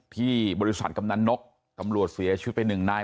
ที่บริษัทกำนันนกตำรวจเสียชีวิตไปหนึ่งนาย